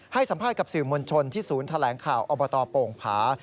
ให้สัมภาษณ์กับสื่อมวลชนที่ศูนย์แถลงข่าวอบตโป่งผา